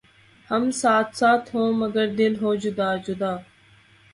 ھم ساتھ ساتھ ہوں مگر دل ہوں جدا جدا